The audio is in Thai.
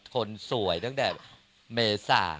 คนสวยตั้งแต่เมษา